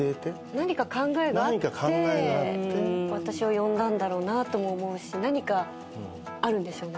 何か考えがあって私を呼んだんだろうなとも思うし何かあるんですよね？